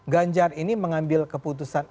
ganjar ini mengambil keputusan